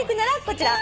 こちら。